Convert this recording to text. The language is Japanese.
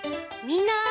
みんな！